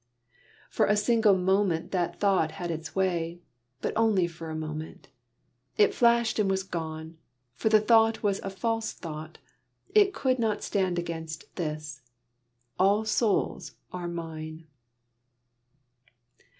For a single moment that thought had its way, but only for a moment. It flashed and was gone, for the thought was a false thought: it could not stand against this "All souls are Mine."